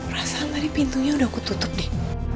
rasanya tadi pintunya udah aku tutup nih